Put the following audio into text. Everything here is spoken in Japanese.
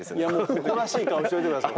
誇らしい顔しといてください。